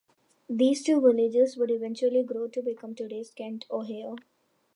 These two villages would eventually grow to become today's Kent, Ohio.